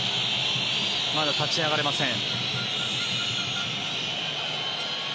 まだ立ち上がれません。